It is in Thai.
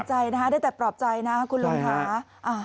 ขอบใจนะครับได้แต่ปลอบใจนะคุณลงค้า